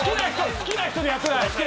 好きな人でやってください。